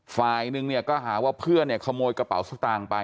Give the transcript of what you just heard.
ฝ่ายนึงเนี่ยก็หาว่าเพื่อนเนี่ยขโมยกระเป๋าสตางค์ไป